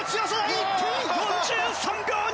１分４３秒２１！